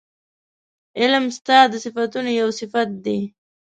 علم ستا د صفتونو یو صفت دی